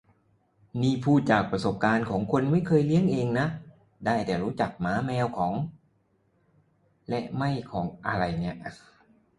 นี่พูดจากประสบการณ์ของคนไม่เคยเลี้ยงเองนะ ได้แต่รู้จักหมาแมวของและไม่ของชาวบ้านทั่วไป